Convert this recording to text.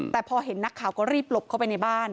แต่พอเห็นนักข่าวก็รีบหลบเข้าไปในบ้าน